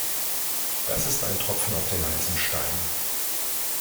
Das ist ein Tropfen auf den heißen Stein.